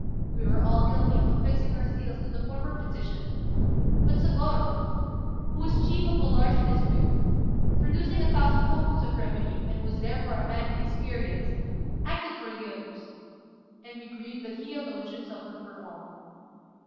We were all guilty of affixing our seals to the former petition; but Sôgorô, who was chief of a large district, producing a thousand kokus of revenue, and was therefore a man of experience, acted for the others; and we grieve that he alone should suffer for all.